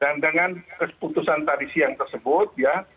dan dengan keputusan tadi siang tersebut ya